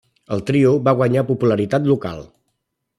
El trio va guanyar popularitat local.